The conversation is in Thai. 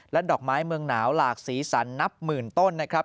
ดอกไม้เมืองหนาวหลากสีสันนับหมื่นต้นนะครับ